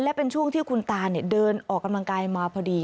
และเป็นช่วงที่คุณตาเดินออกกำลังกายมาพอดี